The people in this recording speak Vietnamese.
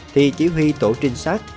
thì chỉ huy tổ trinh sát